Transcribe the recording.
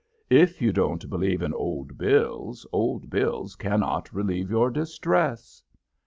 "If you don't believe in Old Bills, Old Bills cannot relieve your distress."